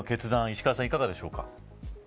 石川さん、いかがですか。